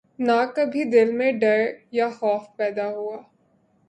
نہ کبھی دل میں ڈر یا خوف پیدا ہوا